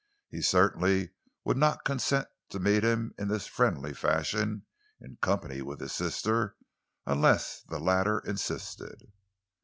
He certainly would not consent to meet him in this friendly fashion, in company with his sister, unless the latter insisted."